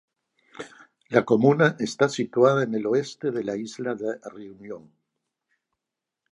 La comuna está situada en el oeste de la isla de Reunión.